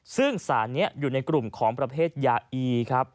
ซึ่งสารนี้อยู่ในกลุ่มของประเภทยาอีครับ